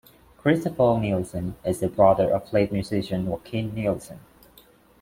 Christopher Nielsen is the brother of late musician Joachim Nielsen.